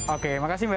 oke terima kasih mbak